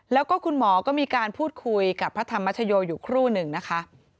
แล้วก็คุณหมอก็มีการพูดคุยกับพระธรรมชโยอยู่ครู่หนึ่งนะคะ